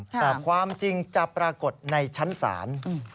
แต่ความจริงจะปรากฏในชั้นศาล